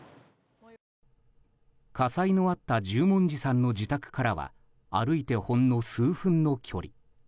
火災のあった十文字さんの自宅からは歩いてほんの数分の距離。